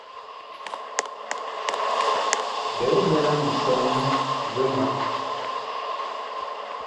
Big ɓɛla misɔn viŋ ɔlɔ.